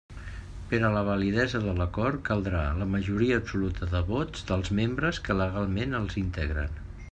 Per a la validesa de l'acord caldrà la majoria absoluta de vots dels membres que legalment els integren.